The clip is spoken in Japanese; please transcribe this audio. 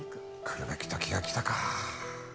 来るべきときが来たか。